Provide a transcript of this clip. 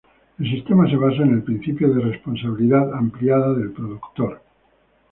El sistema se basa en el principio de responsabilidad ampliada del productor.